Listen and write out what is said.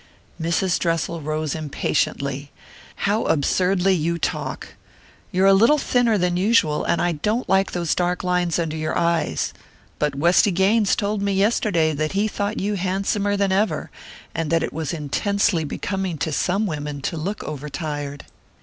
Mrs. Dressel rose impatiently. "How absurdly you talk! You're a little thinner than usual, and I don't like those dark lines under your eyes; but Westy Gaines told me yesterday that he thought you handsomer than ever, and that it was intensely becoming to some women to look over tired."